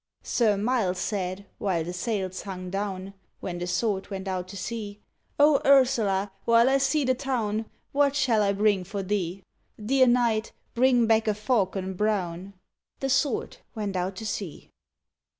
_ Sir Miles said, while the sails hung down, When the Sword went out to sea, O, Ursula! while I see the town, What shall I bring for thee? Dear knight, bring back a falcon brown: _The Sword went out to sea.